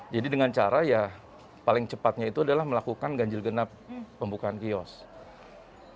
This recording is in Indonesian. jadi dengan cara ya paling cepatnya itu adalah melakukan ganjil genap pembukaan kiosk